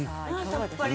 さっぱり！